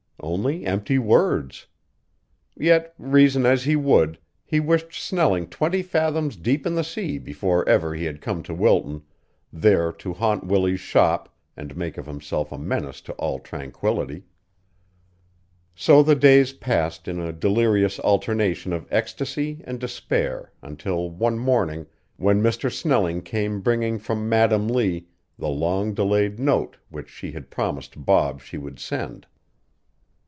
Only empty words. Yet reason as he would, he wished Snelling twenty fathoms deep in the sea before ever he had come to Wilton, there to haunt Willie's shop and make of himself a menace to all tranquillity. So the days passed in a delirious alternation of ecstasy and despair until one morning when Mr. Snelling came bringing from Madam Lee the long delayed note which she had promised Bob she would send.